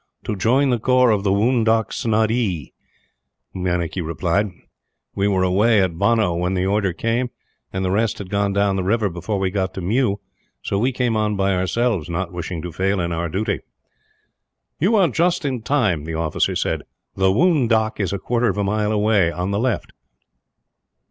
"To join the corps of the Woondock Snodee," Meinik replied. "We were away at Bhanno when the order came, and the rest had gone down the river before we got to Mew; so we came on by ourselves, not wishing to fail in our duty." "You are just in time," the officer said. "The Woondock is a quarter of a mile away, on the left."